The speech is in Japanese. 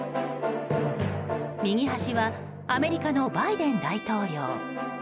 右端はアメリカのバイデン大統領。